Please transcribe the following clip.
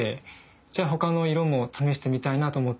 じゃ他の色も試してみたいなと思って。